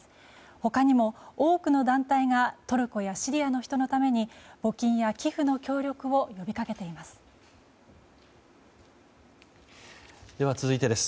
他にも多くの団体がトルコやシリアの人のために募金や寄付の協力を呼びかけています。